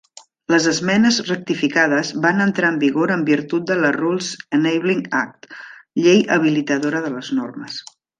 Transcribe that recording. Les esmenes rectificades van entrar en vigor en virtut de la Rules Enabling Act (Llei habilitadora de les normes).